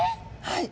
はい。